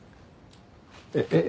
えっえっ？